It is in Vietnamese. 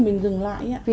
đỡ thì mình dừng lại ạ